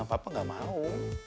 papa gak mau